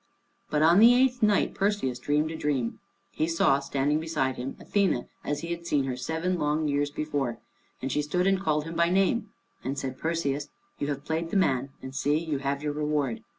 But on the eighth night Perseus dreamed a dream. He saw standing beside him Athené as he had seen her seven long years before, and she stood and called him by name, and said, "Perseus, you have played the man, and see, you have your reward.